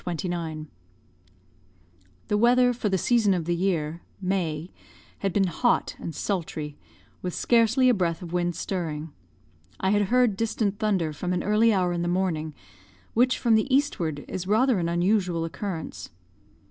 "The weather, for the season of the year (May), had been hot and sultry, with scarcely a breath of wind stirring. I had heard distant thunder from an early hour in the morning, which, from the eastward, is rather an unusual occurrence.